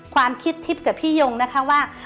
ความคิดทิพย์กับพี่ยงนะคะว่า